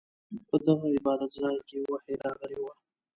په دغه عبادت ځاې کې وحې راغلې وه.